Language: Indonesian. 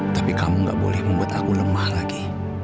tapi kamu gak boleh membuat aku lemah lagi